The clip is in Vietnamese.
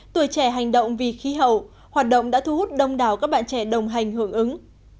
tuổi trẻ hành động vì khí hậu hoạt động đã thu hút đông đảo các bạn trẻ đồng hành hưởng ứng